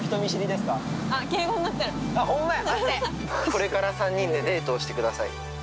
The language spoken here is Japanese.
これから３人でデートをしてください